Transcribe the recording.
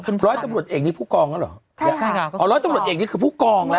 ร้อยตำรวจเอกนี่ผู้กองแล้วเหรอใช่ค่ะอ๋อร้อยตำรวจเอกนี่คือผู้กองแล้ว